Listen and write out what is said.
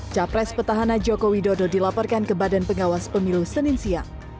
capres petahana joko widodo dilaporkan ke badan pengawas pemilu senin siang